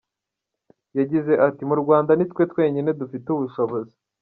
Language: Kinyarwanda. Yagize ati “Mu Rwanda ni twe twenyine dufite ubushobozi.